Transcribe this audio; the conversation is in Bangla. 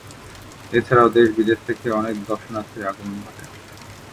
এছাড়াও দেশ বিদেশ থেকেও অনেক দর্শনার্থীর আগমন ঘটে।